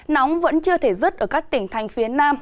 nóng vẫn chưa thể dứt ở các tỉnh thành phía nam